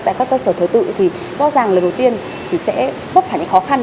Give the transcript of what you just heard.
tại các cơ sở thời tự thì rõ ràng lần đầu tiên thì sẽ góp phải những khó khăn